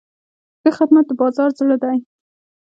ښه خدمت د بازار زړه دی.